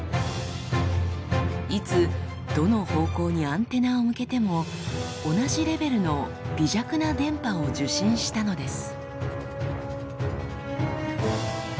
いつどの方向にアンテナを向けても同じレベルの微弱な電波を受信したのです。